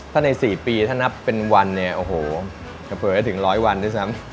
ถ้าใน๔ปีถ้านับเป็นวันเนี่ยโอ้โหจะเผยให้ถึง๑๐๐วันด้วยซ้ำ